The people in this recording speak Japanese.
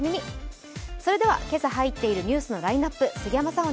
それでは今朝入っているニュースのラインナップ、杉山さん